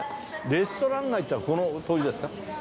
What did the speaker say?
レストラン街っていうのはこの通りですか？